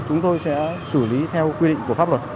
chúng tôi sẽ xử lý theo quy định của pháp luật